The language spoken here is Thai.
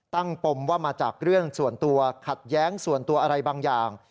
ปมว่ามาจากเรื่องส่วนตัวขัดแย้งส่วนตัวอะไรบางอย่าง